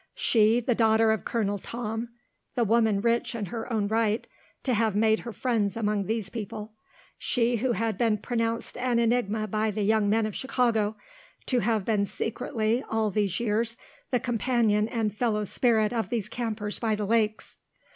She, the daughter of Colonel Tom, the woman rich in her own right, to have made her friends among these people; she, who had been pronounced an enigma by the young men of Chicago, to have been secretly all of these years the companion and fellow spirit of these campers by the lakes.